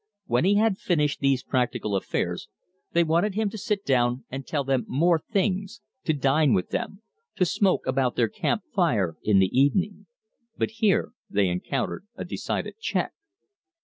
When he had finished these practical affairs, they wanted him to sit down and tell them more things, to dine with them, to smoke about their camp fire in the evening. But here they encountered a decided check.